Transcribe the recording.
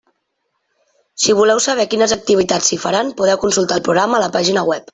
Si voleu saber quines activitats s'hi faran, podeu consultar el programa a la pàgina web.